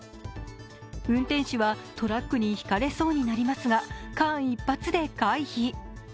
運転手はトラックにひかれそうになりますが間一髪で回避。